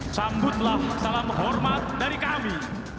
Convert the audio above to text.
sambutlah salam hormat dari kami